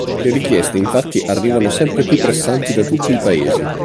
Le richieste infatti arrivano sempre più pressanti da tutti i Paesi.